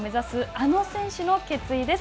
あの選手の決意です。